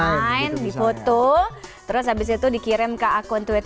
main di foto terus habis itu dikirim ke akun twitter